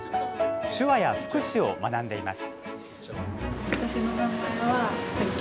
手話や福祉を学んでいます。